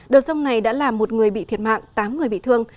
đợt rông này đã làm một người bị thiệt mạng tám người bị thương